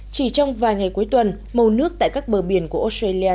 chỉ trong vài ngày cuối tuần màu nước tại các bờ biển của australia